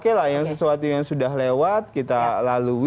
oke lah yang sesuatu yang sudah lewat kita lalui